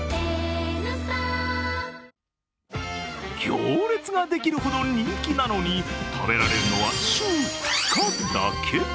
行列ができるほど人気なのに、食べられるのは週２日だけ。